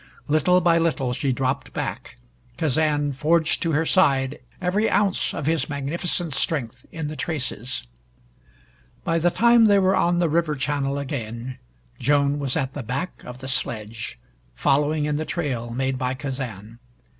Little by little she dropped back. Kazan forged to her side, every ounce of his magnificent strength in the traces. By the time they were on the river channel again, Joan was at the back of the sledge, following in the trail made by Kazan.